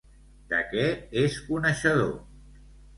De què és coneixedor?